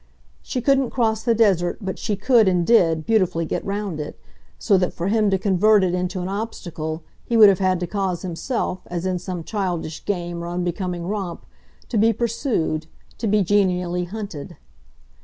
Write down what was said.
She couldn't cross the desert, but she could, and did, beautifully get round it; so that for him to convert it into an obstacle he would have had to cause himself, as in some childish game or unbecoming romp, to be pursued, to be genially hunted.